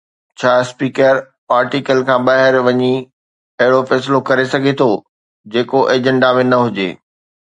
ڇا speaker article کان ٻاهر وڃي اهڙو فيصلو ڪري سگهي ٿو جيڪو ايجنڊا ۾ نه هجي.